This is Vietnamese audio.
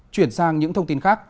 chuyển sang những thông tin khác